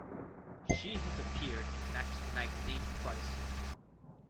She has appeared in "Maxim" magazine twice.